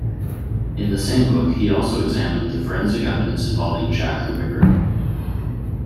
In the same book, he also examined the forensic evidence involving Jack the Ripper.